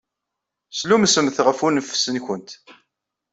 Slummsemt ɣef uneffes-nwent.